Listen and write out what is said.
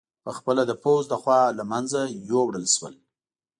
په خپله د پوځ له خوا له منځه یووړل شول